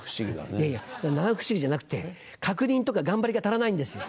いやいや七不思議じゃなくて確認とか頑張りが足らないんですよ。